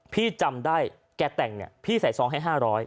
พี่จำได้แกแต่งเนี่ยพี่ใส่ซองให้๕๐๐